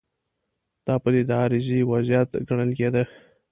دا پدیده عارضي وضعیت ګڼل کېده.